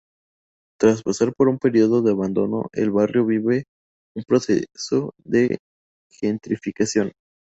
Tras pasar por un periodo de abandono el barrio vive un proceso de gentrificación.